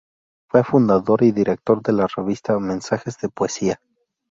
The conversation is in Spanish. Fue fundador y director de la revista "Mensajes de Poesía".